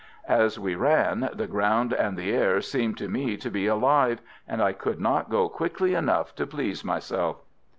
As we ran the ground and the air seemed to me to be alive, and I could not go quickly enough to please myself.